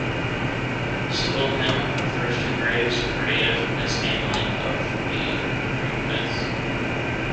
Sibylle Him refers to Graves' creative mishandling of the Greek myths.